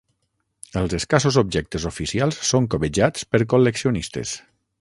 Els escassos objectes oficials són cobejats per col·leccionistes.